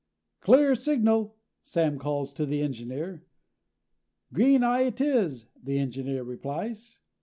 "Clear signal," Sam calls to the engineer. "Green eye it is," the engineer replies.